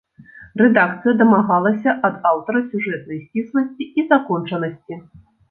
Рэдакцыя дамагалася ад аўтара сюжэтнай сцісласці і закончанасці.